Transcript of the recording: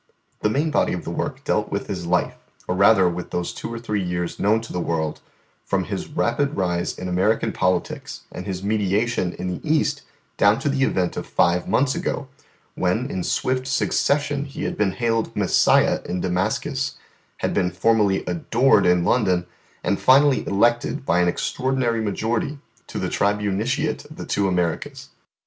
The main body of the work dealt with his life, or rather with those two or three years known to the world, from his rapid rise in American politics and his mediation in the East down to the event of five months ago, when in swift succession he had been hailed Messiah in Damascus, had been formally adored in London, and finally elected by an extraordinary majority to the Tribuniciate of the two Americas.